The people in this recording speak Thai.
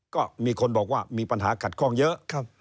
ก็มีคนบอกว่ามีปัญหาขัดข้องเยอะ